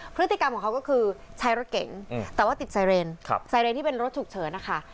พฤติกรรมของเขาก็คือใช้รถเก๋งแต่ว่าติดไซเรนไซเรนที่เป็นรถฉุกเฉินนะคะ